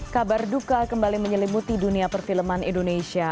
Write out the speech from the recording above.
kabar duka kembali menyelimuti dunia perfilman indonesia